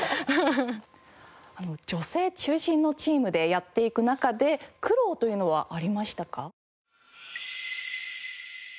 女性中心のチームでやっていく中で苦労というのはありましたか？